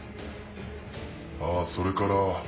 あぁそれから。